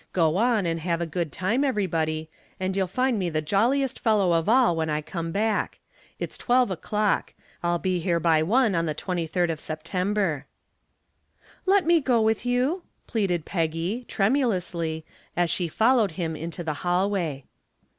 Go on and have a good time, everybody, and you'll find me the jolliest fellow of all when I come back. It's twelve o'clock. I'll be here by one on the 23d of September." "Let me go with you," pleaded Peggy, tremulously, as she followed him into the hallway.